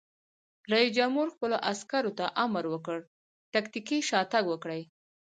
رئیس جمهور خپلو عسکرو ته امر وکړ؛ تکتیکي شاتګ وکړئ!